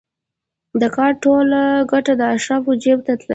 د کار ټوله ګټه د اشرافو جېب ته تلله